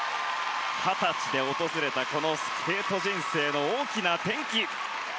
二十歳で訪れたこのスケート人生の大きな転機。